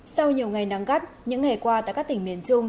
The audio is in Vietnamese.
sau nhiều ngày nắng gắt những ngày qua tại các tỉnh miền trung